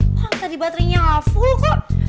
makanya tadi baterenya gak full kok